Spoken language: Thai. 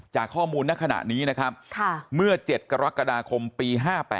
จากข้อมูลในขณะนี้นะครับเมื่อ๗กรกฎาคมปี๕๘